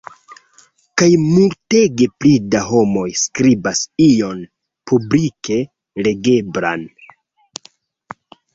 Kaj multege pli da homoj skribas ion publike legeblan.